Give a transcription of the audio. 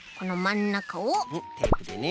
んっテープでね。